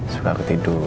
suka aku tidur